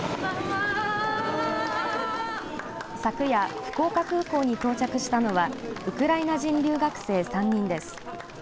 昨夜、福岡空港に到着したのはウクライナ人留学生３人です。